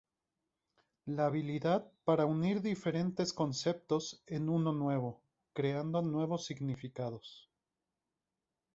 La habilidad para unir diferentes conceptos en uno nuevo, creando nuevos significados.